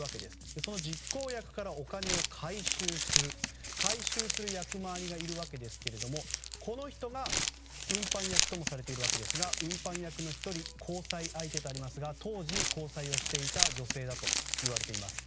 その実行役からお金を回収する回収する役回りがいるわけですがこの人が運搬役ともされているわけですが運搬役の１人交際相手とありますが当時、交際をしていた女性だといわれています。